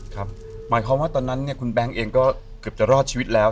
หมายความว่าตอนนั้นเนี่ยคุณแบงค์เองก็เกือบจะรอดชีวิตแล้ว